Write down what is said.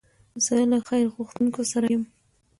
زه له خیر غوښتونکو سره یم.